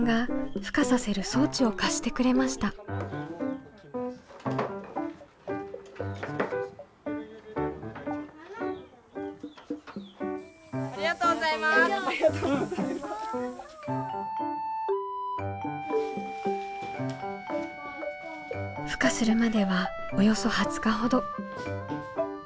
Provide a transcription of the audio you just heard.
ふ化するまではおよそ２０日ほど。